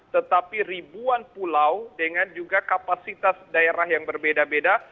tetapi ribuan pulau dengan juga kapasitas daerah yang berbeda beda